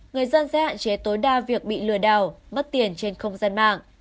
người dân sẽ hạn chế tối đa việc bị lừa đảo mất tiền trên không gian mạng